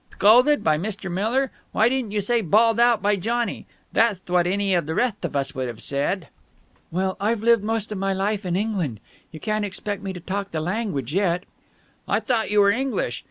"Thcolded by Mr. Miller! Why didn't you say 'bawled out by Johnny'? That'th what any of the retht of us would have said." "Well, I've lived most of my life in England. You can't expect me to talk the language yet." "I thought you were English.